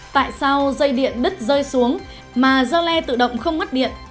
tại sao dây điện đứt rơi xuống mà do le tự động không mất điện